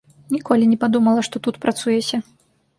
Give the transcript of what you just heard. Ніколі не падумала, што тут працуеце.